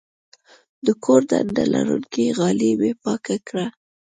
د کور ډنډه لرونکې غالۍ مې پاکه کړه.